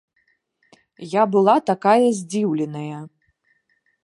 Я была такая здзіўленая.